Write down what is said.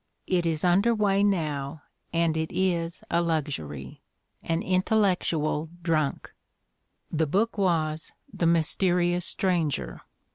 It is under way, now, and it is a luxury! an intellectual drunk." The book was "The Mysterious Stranger."